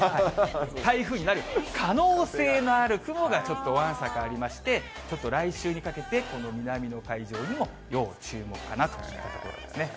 台風になる可能性のある雲が、ちょっとわんさかありまして、ちょっと来週にかけて、この南の海上にも要注目かなといったところですね。